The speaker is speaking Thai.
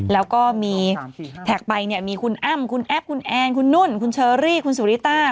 แล้วก็มีแท็กไปเนี่ยมีคุณอ้ำคุณแอฟคุณแอนคุณนุ่นคุณเชอรี่คุณสุริต้า